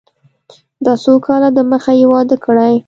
دا څو کاله د مخه يې واده کړى.